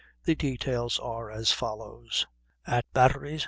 The details are as follow: At batteries.....................................................